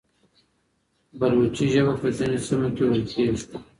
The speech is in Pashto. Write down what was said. بلوچي ژبه په ځینو سیمو کې ویل کېږي.